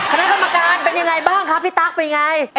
คณะข้อมูลเป็นอย่างไรบ้างครับพี่ตั๊กเป็นอย่างไร